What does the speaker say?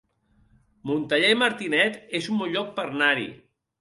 Montellà i Martinet es un bon lloc per anar-hi